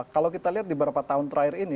kalau kita lihat di beberapa tahun terakhir ini